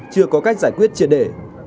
chưa có cách giải quyết triệt để